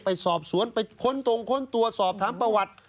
ไปสอบสวนไปค้นตรงค้นตัวสอบถามประวัติ